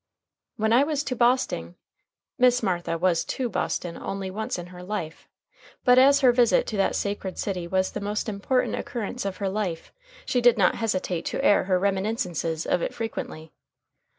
"When I was to Bosting " Miss Martha was to Boston only once in her life, but as her visit to that sacred city was the most important occurrence of her life, she did not hesitate to air her reminiscences of it frequently.